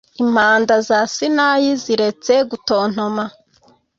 Impanda za Sinayi ziretse gutontoma!